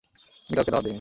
আমি কাউকে দাওয়াত দেই নাই।